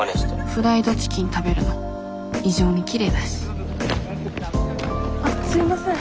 フライドチキン食べるの異常にきれいだしあっすいません。